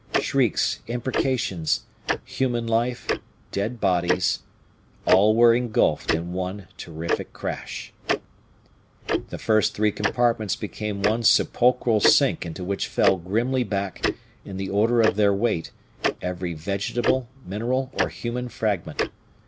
Shrieks, imprecations, human life, dead bodies all were engulfed in one terrific crash. The three first compartments became one sepulchral sink into which fell grimly back, in the order of their weight, every vegetable, mineral, or human fragment.